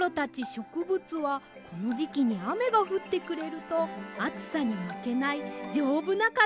しょくぶつはこのじきにあめがふってくれるとあつさにまけないじょうぶなからだになれるんです。